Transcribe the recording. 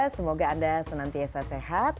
semoga anda senantiasa sehat